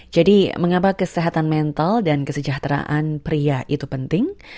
jadi mengapa kesehatan mental dan kesejahteraan pria itu penting